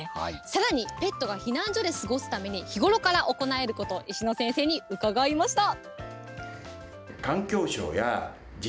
さらに、ペットが避難所で過ごすために、日頃から行えること、石野先生に伺いました。